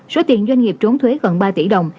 số tiền doanh nghiệp trốn thuế gần ba tỷ đồng